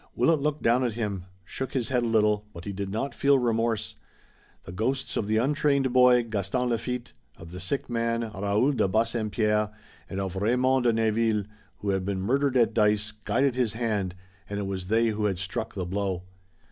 Willet looked down at him, shook his head a little, but he did not feel remorse. The ghosts of the untrained boy, Gaston Lafitte, of the sick man, Raoul de Bassempierre, and of Raymond de Neville, who had been murdered at dice, guided his hand, and it was they who had struck the blow.